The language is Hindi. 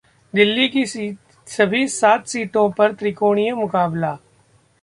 दिल्ली की सभी सात सीटों पर त्रिकोणीय मुकाबला